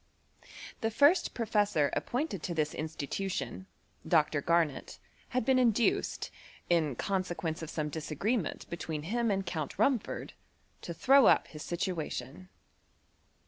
259 The first professor appointed to this institution^ Dr. Garnet, had been induced, in consequence of some disagreement between him and Count Rumford, to throw up his situation.